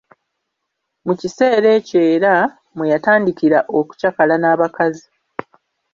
Mu kiseera ekyo era, mwe yatandikira okucakala n'abakazi.